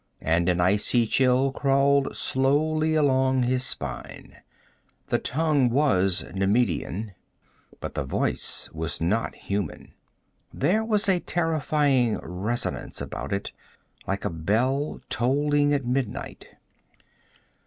And an icy chill crawled slowly along his spine. The tongue was Nemedian, but the voice was not human. There was a terrifying resonance about it, like a bell tolling at midnight.